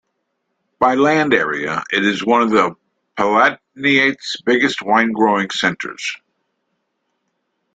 By land area, it is one of the Palatinate's biggest winegrowing centres.